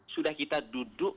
sudah kita duduk